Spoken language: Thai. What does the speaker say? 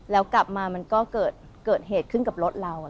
แล้วกลับมามันก็เกิดเหตุขึ้นกับรถเรา